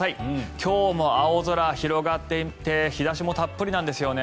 今日も青空が広がっていて日差しもたっぷりなんですよね。